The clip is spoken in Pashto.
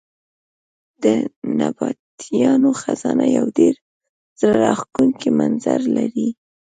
د نبطیانو خزانه یو ډېر زړه راښکونکی منظر لري.